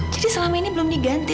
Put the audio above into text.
jadi selama ini belum diganti